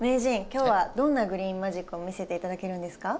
今日はどんなグリーンマジックを見せて頂けるんですか？